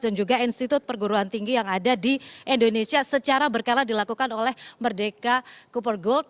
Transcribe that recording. dan juga institut perguruan tinggi yang ada di indonesia secara berkala dilakukan oleh merdeka cooper gold